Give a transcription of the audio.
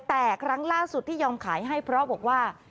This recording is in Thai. แต่ครั้งล่าสุดที่ยอมขายให้เพราะบอกว่า